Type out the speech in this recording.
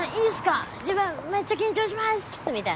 自分めっちゃ緊張します」みたい